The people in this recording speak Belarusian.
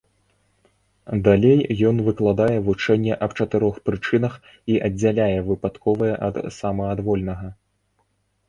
Далей ён выкладае вучэнне аб чатырох прычынах і аддзяляе выпадковае ад самаадвольнага.